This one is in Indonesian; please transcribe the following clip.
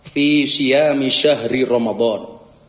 fi syam syahri ramadan